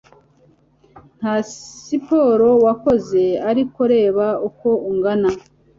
nta siporo wakoze ark reba uko ungana